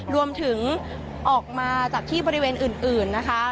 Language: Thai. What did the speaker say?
รวมถึงออกมาจากที่บริเวณอื่นนะคะ